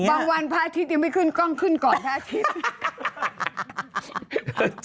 วันพระอาทิตย์ยังไม่ขึ้นกล้องขึ้นก่อนพระอาทิตย์